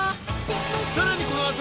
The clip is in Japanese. ［さらにこの後］